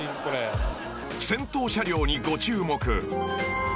［先頭車両にご注目］